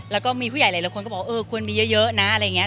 แล้วก็มีผู้ใหญ่หลายคนก็บอกว่าเออควรมีเยอะนะอะไรอย่างนี้